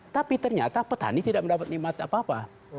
tapi ternyata petani tidak mendapat nikmat apa apa